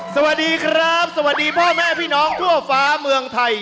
สวัสดีครับสวัสดีพ่อแม่พี่น้องทั่วฟ้าเมืองไทย